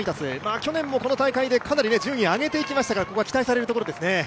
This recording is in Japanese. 去年もこの大会でかなり順位を上げていきましたから、ここは期待するところですね。